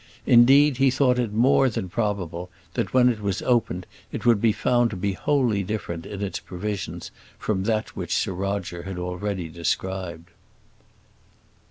Indeed, he thought it more than probable, that when it was opened it would be found to be wholly different in its provisions from that which Sir Roger had already described.